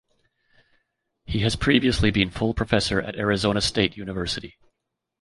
He has previously been full professor at Arizona State University.